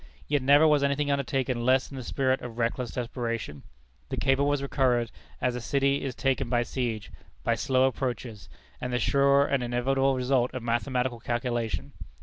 Yet never was anything undertaken less in the spirit of reckless desperation. The cable was recovered, as a city is taken by siege by slow approaches, and the sure and inevitable result of mathematical calculation.